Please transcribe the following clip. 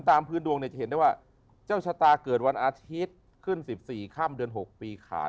ตามพื้นดวงเนี่ยจะเห็นได้ว่าเจ้าชะตาเกิดวันอาทิตย์ขึ้น๑๔ค่ำเดือน๖ปีขาด